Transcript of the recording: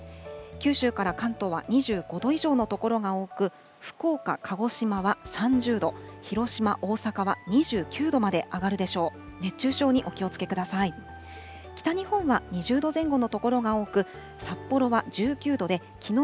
九州から関東は２５度以上の所が多く、福岡、鹿児島は３０度、広島、大阪は２９度まで上がるでしょう。